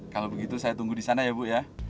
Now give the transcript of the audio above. kalo begitu saya tunggu disana ya bu ya